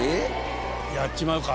やっちまうか。